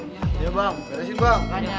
iya bang beresin bang